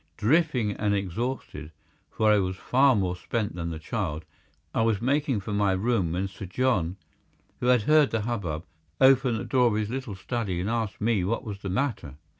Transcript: Dripping and exhausted—for I was far more spent than the child—I was making for my room when Sir John, who had heard the hubbub, opened the door of his little study and asked me what was the matter.